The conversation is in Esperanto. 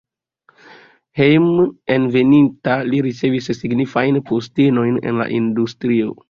Hejmenveninta li ricevis signifajn postenojn en la industrio.